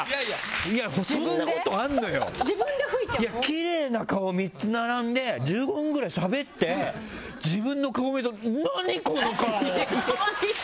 きれいな顔３つ並んで１５分くらいしゃべって自分の顔見ると、何この顔！